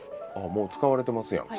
もう使われてますやん。